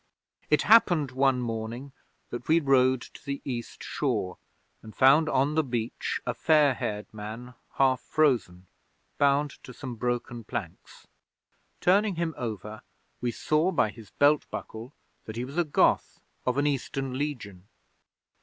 'It happened one morning that we rode to the East shore, and found on the beach a fair haired man, half frozen, bound to some broken planks. Turning him over, we saw by his belt buckle that he was a Goth of an Eastern Legion.